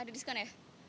ada diskon ya